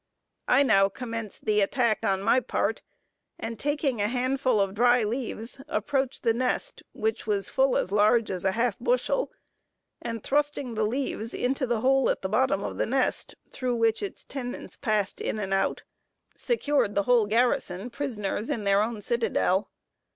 I now commenced the attack on my part, and taking a handful of dry leaves, approached the nest, which was full as large as a half bushel, and thrusting the leaves into the hole at the bottom of the nest, through which its tenants passed in and out, secured the whole garrison prisoners in their own citadel.